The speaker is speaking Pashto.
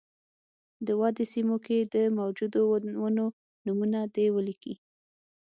د ودې سیمو کې د موجودو ونو نومونه دې ولیکي.